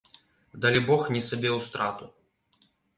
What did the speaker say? Далібог не сабе ў страту.